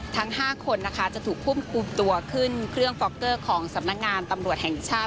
ทั้ง๕คนนะคะจะถูกควบคุมตัวขึ้นเครื่องฟอกเกอร์ของสำนักงานตำรวจแห่งชาติ